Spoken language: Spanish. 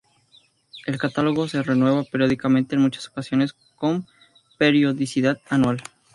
El catálogo se renueva periódicamente, en muchas ocasiones con periodicidad anual.